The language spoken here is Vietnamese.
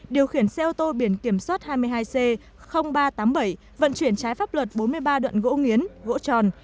điều khiển xe ô tô biển kiểm soát hai mươi hai c ba trăm tám mươi bảy vận chuyển trái pháp luật bốn mươi ba đoạn gỗ nghiến gỗ tròn